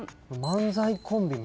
漫才コンビ